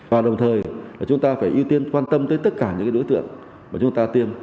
và đồng thời chúng ta phải ưu tiên quan tâm tới tất cả những đối tượng mà chúng ta tiêm